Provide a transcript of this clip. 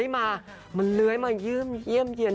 มันเล้ยมาเยื่มเยี่ยมเยี่ยม